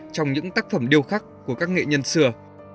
trong những tác phẩm điêu khắc của các nghệ nhân xưa